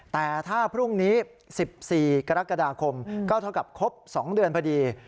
แต่ถ้าพรุ่งนี้๑๔กรกฎาคมก็เท่ากับครบ๒เดือนพอดี